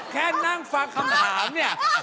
แค่นั่งฟังคำถามเนี่ย